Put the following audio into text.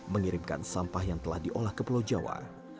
mengirimkan sampah yang telah diolah ke pulau jawa